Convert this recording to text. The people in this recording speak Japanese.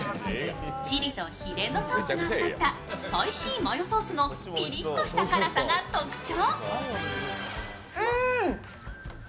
チリと秘伝のソースが合わさったスパイシーマヨソースのピリッとした辛さが特徴。